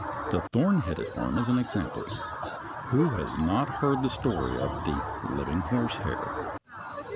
The thorn headed worm (Fig. 62) is an example. Who has not heard the story of the living horsehair?